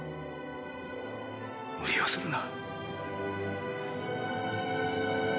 無理をするな。